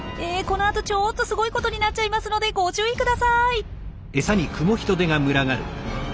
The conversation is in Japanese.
このあとちょっとすごいことになっちゃいますのでご注意ください！